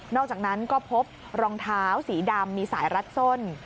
อกจากนั้นก็พบรองเท้าสีดำมีสายรัดส้น